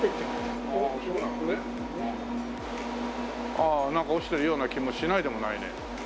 ああなんか落ちてるような気もしないでもないね。